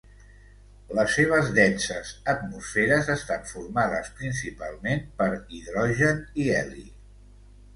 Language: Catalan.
Les seves denses atmosferes estan formades principalment per hidrogen i heli.